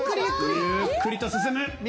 ゆっくりと進む。